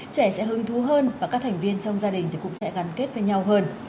trẻ sẽ hứng thú hơn và các thành viên trong gia đình cũng sẽ gắn kết với nhau hơn